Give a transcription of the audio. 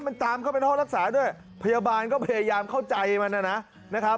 มันตามเข้าไปห้องรักษาด้วยพยาบาลก็พยายามเข้าใจมันนะครับ